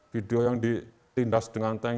video yang ditindas dengan tank